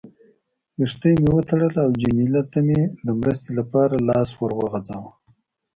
کښتۍ مې وتړله او جميله ته مې د مرستې لپاره لاس ور وغځاوه.